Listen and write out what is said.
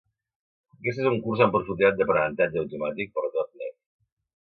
Aquest és un curs en profunditat d'aprenentatge automàtic per a Dot Net.